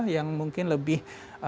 yang mungkin lebih